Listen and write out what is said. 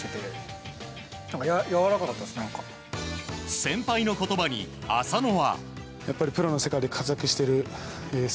先輩の言葉に浅野は。